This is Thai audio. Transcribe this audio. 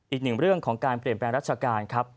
อีกหนึ่งเรื่องของการเปลี่ยนแปลงรัชการครับ